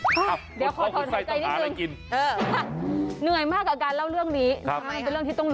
ค่ะพ่อคุณไส้ต้องการอะไรกิน